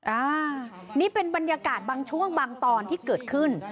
อ่านี่เป็นบรรยากาศบางช่วงบางตอนที่เกิดขึ้น